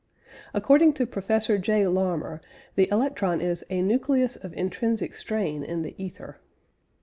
According to Professor J. Larmor the electron is "a nucleus of intrinsic strain in the ether."